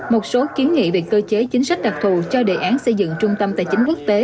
một số kiến nghị về cơ chế chính sách đặc thù cho đề án xây dựng trung tâm tài chính quốc tế